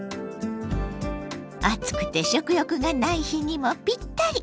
暑くて食欲がない日にもぴったり！